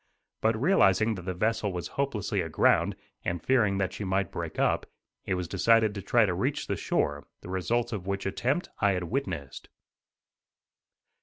But realizing that the vessel was hopelessly aground, and fearing that she might break up, it was decided to try to reach the shore, the result of which attempt I had witnessed.